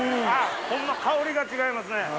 ホンマ香りが違いますね。